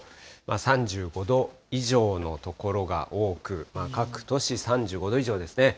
３５度以上の所が多く、各都市３５度以上ですね。